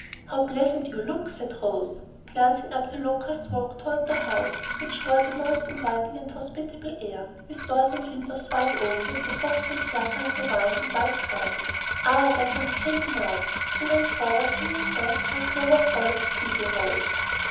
"How pleasant you look!" said Rose, glancing up the locust walk toward the house, which wore a most inviting and hospitable air, with doors and windows wide open, and the soft wind fluttering the vines and the white curtains. "Ah, there comes Katy now." She ran forward to meet her while Clover followed with little Rose.